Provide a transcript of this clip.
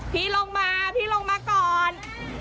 พี่ลงมาพี่ลงมาก่อน